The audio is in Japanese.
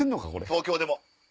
東京でも！